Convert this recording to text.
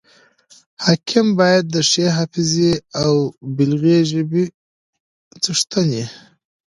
حاکم باید د ښې حافظي او بلیغي ژبي څښتن يي.